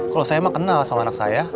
kalau saya mah kenal sama anak saya